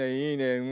いいね。